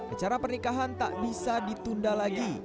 acara pernikahan tak bisa ditunda lagi